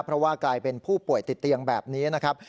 เพราะว่ากลายเป็นผู้ป่วยติดเตียงแบบนี้นะครับ